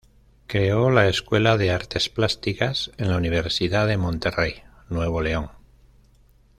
Creó la Escuela de Artes Plásticas en la Universidad de Monterrey, Nuevo León.